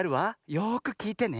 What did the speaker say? よくきいてね。